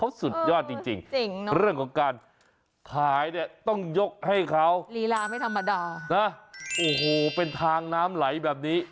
เขาสุดยอดจริงเรื่องของการขายต้องยกให้เขานะโอ้โหเป็นทางน้ำไหลแบบนี้